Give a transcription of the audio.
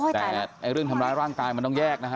แต่เรื่องทำร้ายร่างกายมันต้องแยกนะฮะ